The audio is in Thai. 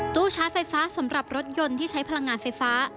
ตู้ชาร์จไฟฟ้าสำหรับรถยนต์ที่ใช้พลังงานไฟฟ้า